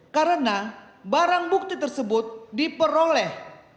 karena barang bukti tersebut diperoleh